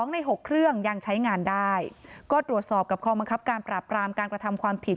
ใน๖เครื่องยังใช้งานได้ก็ตรวจสอบกับคอมังคับการปราบรามการกระทำความผิด